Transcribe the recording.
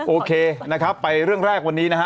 โอเคนะครับไปเรื่องแรกวันนี้นะฮะ